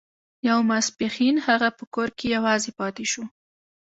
يو ماسپښين هغه په کور کې يوازې پاتې شو.